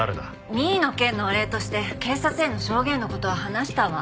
美依の件のお礼として警察への証言の事は話したわ。